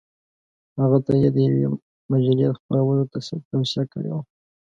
هغه ته یې د یوې مجلې د خپرولو توصیه کړې وه.